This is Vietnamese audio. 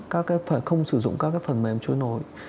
các cái phải không sử dụng các cái phần mềm trôi nổi